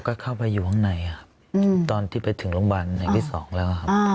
ก็เข้าไปอยู่ข้างในครับตอนที่ไปถึงโรงพยาบาลแห่งที่๒แล้วครับ